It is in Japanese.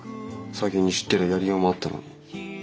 先に知ってりゃやりようもあったのに。